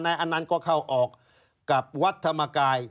นายอนันต์ก็เข้าออกกับวัดธรรมกาย